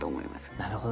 なるほどね。